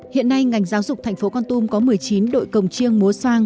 hiện nay ngành giáo dục thành phố con tum có một mươi chín đội cổng chiêng múa soang